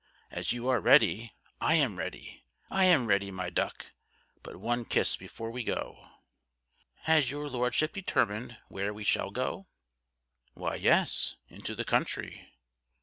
As you are ready, I am ready I am ready, my duck but one kiss before we go." "Has your Lordship determined where we shall go?" "Why, yes into the country."